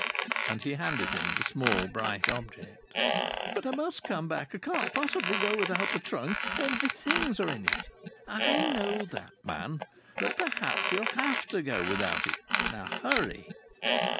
And he handed him the small bright object. "But I must come back. I can't possibly go without the trunk. All my things are in it." "I know that, man. But perhaps you'll have to go without it. Hurry!"